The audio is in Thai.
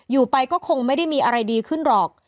อยู่ไปก็คงไม่ได้มีอะไรดีขึ้นหรอก